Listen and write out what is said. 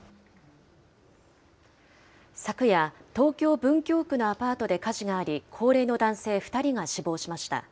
昨夜、東京・文京区のアパートで火事があり、高齢の男性２人が死亡しました。